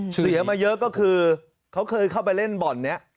เสียมาเยอะก็คือเขาเคยเข้าไปเล่นบ่อนนี้